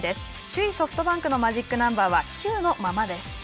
首位ソフトバンクのマジックナンバーは９のままです。